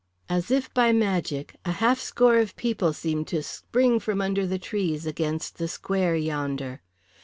As if by magic a half score of people seemed to spring from under the trees against the square yonder.